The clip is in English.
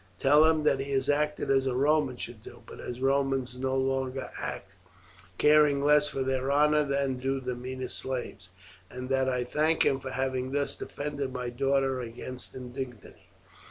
Tell him that he has acted as a Roman should do, but as Romans no longer act, caring less for their honour than do the meanest slaves, and that I thank him for having thus defended my daughter against indignity.'